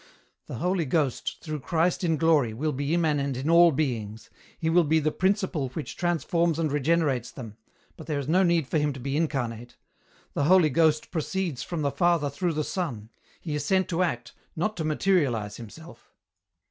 "The Holy Ghost, through Christ in glory, will be immanent in all beings. He will be the principle which transforms and regenerates them, but there is no need for him to be incarnate. The Holy Ghost proceeds from the Father through the Son. He is sent to act, not to materialize himself.